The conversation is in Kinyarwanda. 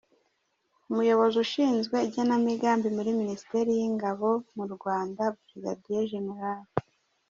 Umuyobozi ushinzwe igenamigambi muri Minisiteri y’Ingabo mu Rwanda, Brig Gen.